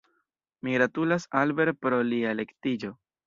Mi gratulas Albert pro lia elektiĝo.